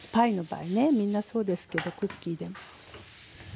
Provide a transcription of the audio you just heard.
みんなそうですけどクッキーでも。